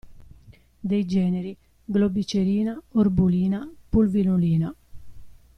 Dei generi globicerina, orbulina pulvinolina.